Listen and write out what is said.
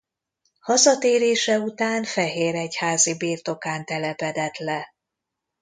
Hazatérése után fehéregyházi birtokán telepedett le.